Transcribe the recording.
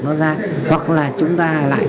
nó ra hoặc là chúng ta lại